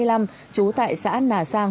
trú tại xã nà sang